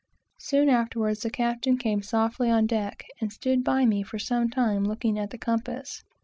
Soon afterwards, the captain came very quietly on deck, and stood by me for some time looking at the compass.